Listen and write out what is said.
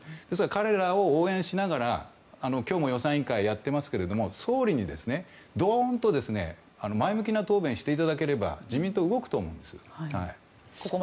彼らを応援しながら今日も予算委員会をやってますけど総理に、ドンと前向きな答弁をしていただければ自民党は動くと思うんです。